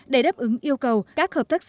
để đáp ứng yêu cầu các hợp tác xã